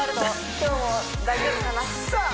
今日も大丈夫かなさあ